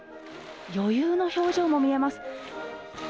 余裕の表情も見えます。